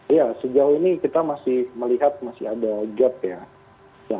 iya sejauh ini kita masih melihat masih ada gap ya